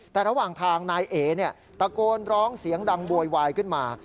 แต่ระหว่างทางนายเอ๋ตะโกนร้องเสียงดังโวยวายขึ้นมา